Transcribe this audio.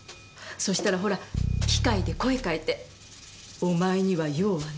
そしたらほら機械で声変えて「お前には用はない」って。